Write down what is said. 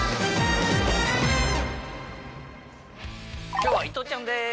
今日は伊藤ちゃんです！